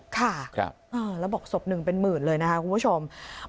ค่ะแล้วบอกศพหนึ่งเป็นหมื่นเลยนะคะคุณผู้ชม